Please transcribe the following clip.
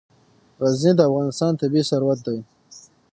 غزني د افغانستان طبعي ثروت دی.